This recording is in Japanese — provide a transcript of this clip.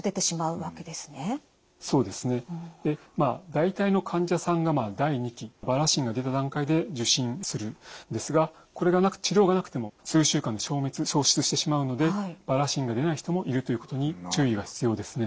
大体の患者さんが第２期バラ疹が出た段階で受診するんですが治療がなくても数週間で消失してしまうのでバラ疹が出ない人もいるということに注意が必要ですね。